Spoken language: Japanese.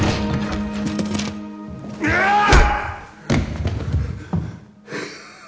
うわっ！